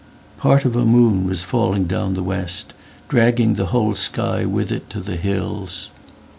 Part of a moon was falling down the west, Dragging the whole sky with it to the hills.